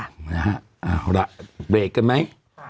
นะฮะเอาละเบรกกันไหม